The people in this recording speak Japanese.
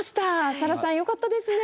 サラさんよかったですね！